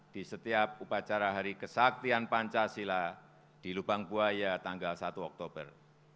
di setiap upacara hari kesaktian pancasila di lubang buaya tanggal satu oktober